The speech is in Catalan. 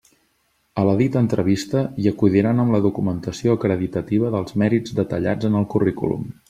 A la dita entrevista hi acudiran amb la documentació acreditativa dels mèrits detallats en el currículum.